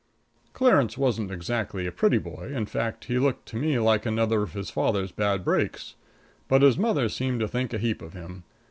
Clarence wasn't exactly a pretty boy; in fact, he looked to me like another of his father's bad breaks; but his mother seemed to think a heap of him.